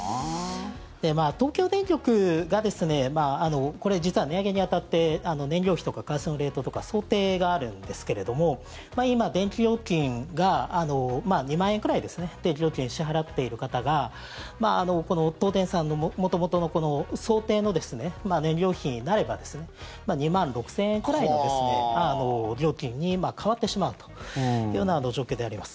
東京電力がこれ実は値上げに当たって燃料費とか為替のレートとか想定があるんですけれども今、電気料金が２万円くらい電気料金を支払っている方が東電さんの元々のこの想定の燃料費になれば２万６０００円くらいの料金に変わってしまうというような状況であります。